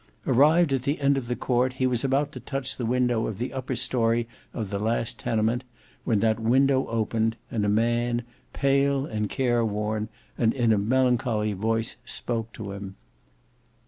Arrived at the end of the court, he was about to touch the window of the upper story of the last tenement, when that window opened, and a man, pale and care worn and in a melancholy voice spoke to him.